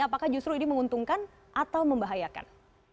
apakah justru ini menguntungkan atau membahayakan